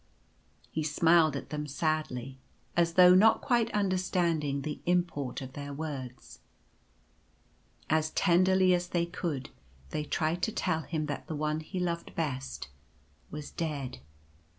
He smiled at them sadly,' as though not quite understanding the import of their words. As tenderly as they could they tried to tell him that the One he loved best was dead.